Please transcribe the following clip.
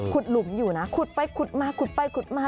หลุมอยู่นะขุดไปขุดมาขุดไปขุดมา